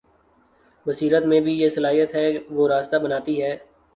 بصیرت میں بھی یہ صلاحیت ہے کہ وہ راستہ بناتی ہے۔